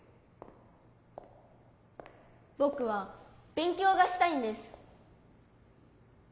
ぼくはべん強がしたいんです。